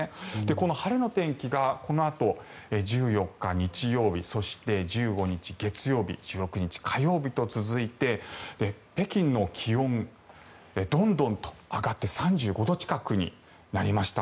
この晴れの天気がこのあと１４日、日曜日そして１５日、月曜日１６日、火曜日と続いて北京の気温、どんどんと上がって３５度近くになりました。